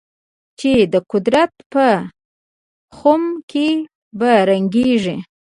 چې د قدرت په خُم کې به رنګېږي.